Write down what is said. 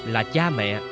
là cha mẹ